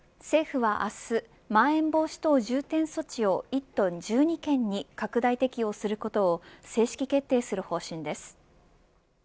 政府は明日まん延防止等重点措置を１都１２県に拡大適用することを正式決定する方針です。